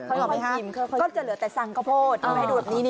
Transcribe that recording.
อ๋อเห็นไหมคะก็จะเหลือแต่สังข้าโพด